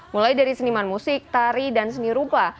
mulai dari seniman musik tari dan seni rupa